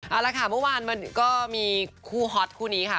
เอาละค่ะเมื่อวานมันก็มีคู่ฮอตคู่นี้ค่ะ